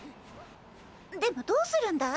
でもどうするんだい？